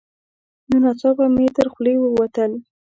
نو ناڅاپه مې تر خولې ووتل: